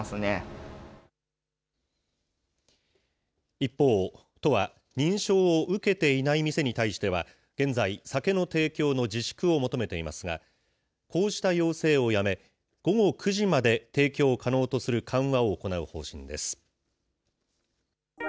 一方、都は認証を受けていない店に対しては、現在、酒の提供の自粛を求めていますが、こうした要請をやめ、午後９時まで提供可能とする緩和を行う方針です。